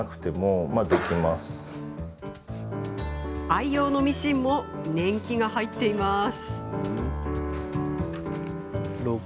愛用のミシンも年季が入っています。